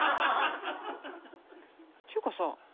っていうかさ